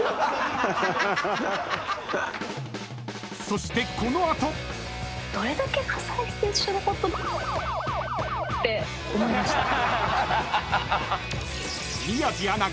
［そしてこの後］って思いました。